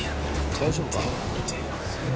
・大丈夫かな